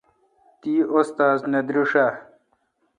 تی استا ذ نہ دریݭ آ؟